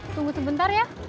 tunggu sebentar ya